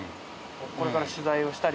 これから取材をしたり。